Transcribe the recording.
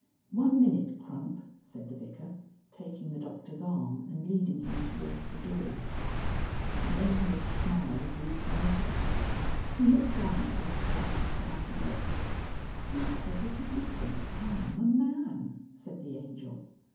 "One minute, Crump," said the Vicar, taking the Doctor's arm and leading him towards the door. The Angel's smile grew brighter. He looked down at his black clad legs. "He positively thinks I am a man!" said the Angel.